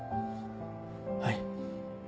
はい。